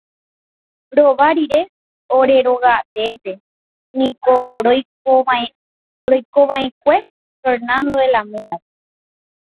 Rova rire ore rogateépe niko roikova'ekue Fernando de la Mora-pe.